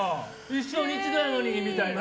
一生に一度やのにみたいな。